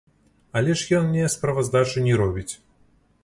Але ж ён мне справаздачу не робіць.